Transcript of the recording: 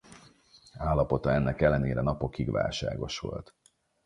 Állapota ennek ellenére napokig válságos volt.